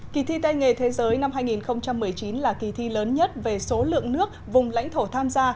kỳ thi tay nghề thế giới năm hai nghìn một mươi chín là kỳ thi lớn nhất về số lượng nước vùng lãnh thổ tham gia